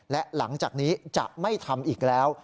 และหลังจากนี้จะไม่ทำอีกแล้ว